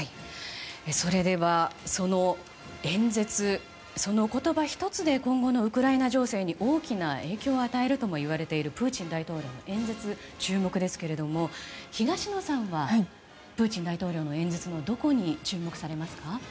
それでは、その演説その言葉１つで今後のウクライナ情勢に大きな影響を与えるともいわれているプーチン大統領の演説注目ですけれども東野さんはプーチン大統領の演説のどこに注目されますか？